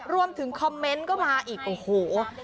รวมถึงคอมเมนต์ก็มาอีกโอ้โห